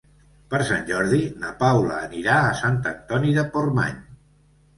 Per Sant Jordi na Paula anirà a Sant Antoni de Portmany.